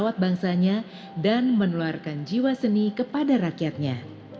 lambangan lu ku dipegati